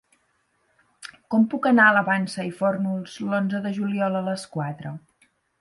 Com puc anar a la Vansa i Fórnols l'onze de juliol a les quatre?